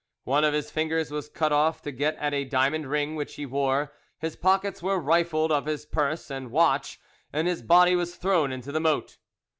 One of his fingers was cut off to get at a diamond ring which he wore, his pockets were rifled of his purse and watch, and his body was thrown into the moat.